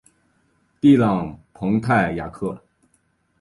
蒂朗蓬泰雅克。